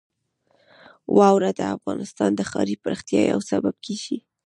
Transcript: واوره د افغانستان د ښاري پراختیا یو سبب کېږي.